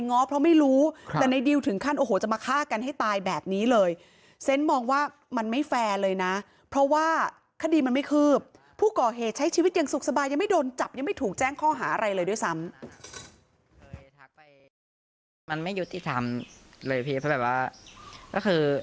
้อเพราะไม่รู้แต่ในดิวถึงขั้นโอ้โหจะมาฆ่ากันให้ตายแบบนี้เลยเซนต์มองว่ามันไม่แฟร์เลยนะเพราะว่าคดีมันไม่คืบผู้ก่อเหตุใช้ชีวิตอย่างสุขสบายยังไม่โดนจับยังไม่ถูกแจ้งข้อหาอะไรเลยด้วยซ้ำ